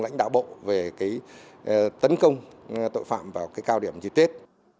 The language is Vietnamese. lãnh đạo bộ về tấn công tội phạm vào cao điểm dịp tết